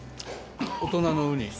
大人のウニ。